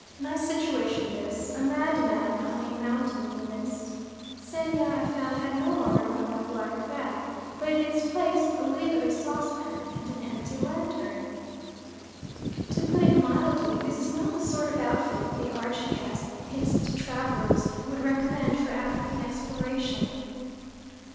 Nice situation this: a madman on a mountain in the mist. Xenia, I found, had no longer got my black bag, but in its place a lid of a saucepan and an empty lantern. To put it mildly, this is not the sort of outfit the R.G.S. Hints to Travellers would recommend for African exploration.